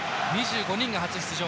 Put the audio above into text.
２５人が初出場。